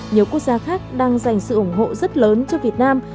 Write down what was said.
nhiều quốc gia khác đang dành sự ủng hộ rất lớn cho việt nam